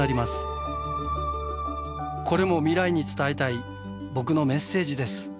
これも未来に伝えたい僕のメッセージです。